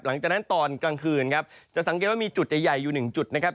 หลังจากนั้นตอนกลางคืนครับจะสังเกตว่ามีจุดใหญ่อยู่หนึ่งจุดนะครับ